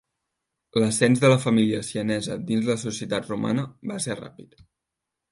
L'ascens de la família sienesa dins la societat romana va ser ràpid.